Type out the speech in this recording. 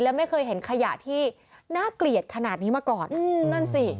และไม่เคยเห็นขยะที่น่าเกลียดขนาดนี้มาก่อนอืมนั่นสิ